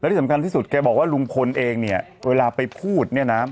ที่สำคัญที่สุดแกบอกว่าลุงพลเองเนี่ยเวลาไปพูดเนี่ยนะ